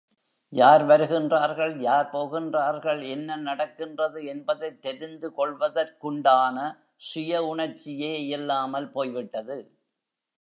யார் வருகின்றார்கள், யார் போகின்றார்கள், என்ன நடக்கின்றது என்பதைத் தெரிந்து கொள்வதற்குண்டான சுய உணர்ச்சியே இல்லாமல் போய்விட்டது.